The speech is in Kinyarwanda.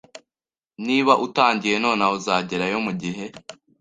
Niba utangiye nonaha, uzagerayo mugihe.